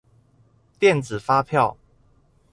電子發票